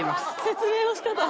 説明の仕方。